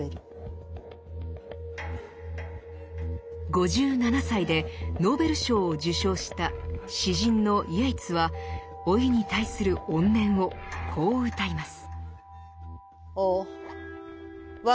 ５７歳でノーベル賞を受賞した詩人のイェイツは老いに対する怨念をこううたいます。